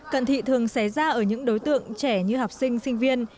cận thị thường xé ra ở những đối tượng trẻ như học sinh sinh viên